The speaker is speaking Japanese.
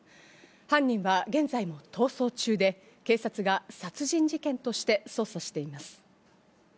犯人は現在も逃走中で、警察が殺人事件として捜査しています。